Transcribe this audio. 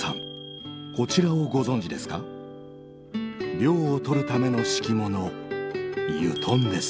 涼をとるための敷物「油団」です。